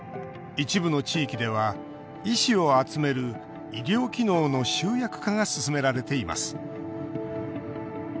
一部の地域では医師を集める医療機能の集約化が進められています。